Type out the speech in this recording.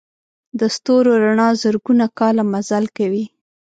د ستورو رڼا زرګونه کاله مزل کوي.